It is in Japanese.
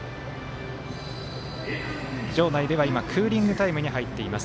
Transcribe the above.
場内では今クーリングタイムに入っています。